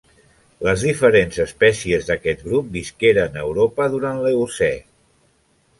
Les diferents espècies d'aquest grup visqueren a Europa durant l'Eocè.